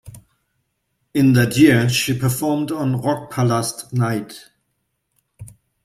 In that year, she performed on Rockpalast night.